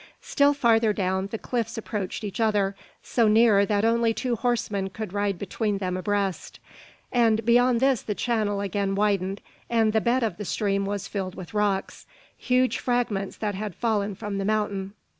Still farther down, the cliffs approached each other, so near that only two horsemen could ride between them abreast; and beyond this the channel again widened, and the bed of the stream was filled with rocks, huge fragments that had fallen from the mountain.